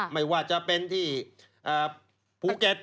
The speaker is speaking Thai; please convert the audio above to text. ไม่ว่าจะเป็นที่ภูเก็ต